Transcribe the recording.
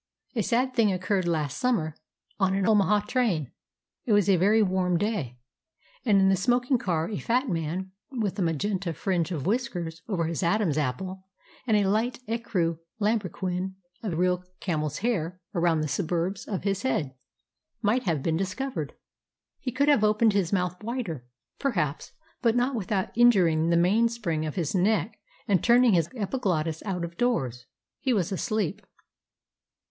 A sad thing occurred last summer on an Omaha train. It was a very warm day, and in the smoking car a fat man, with a magenta fringe of whiskers over his Adam's apple, and a light, ecru lambrequin of real camel's hair around the suburbs of his head, might have been discovered. He could have opened his mouth wider, perhaps, but not without injuring the mainspring of his neck and turning his epiglottis out of doors. He was asleep.